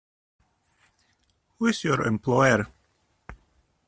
Who is your employer?